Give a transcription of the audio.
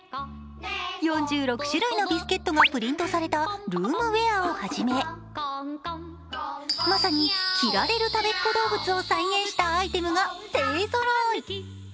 ４６種類のビスケットがプリントされたルームウェアをはじめまさに着られるたべっ子どうぶつを再現したアイテムが勢ぞろい。